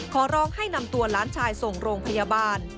ขอร้องให้นำตัวล้านชายส่งโรงพยาบาล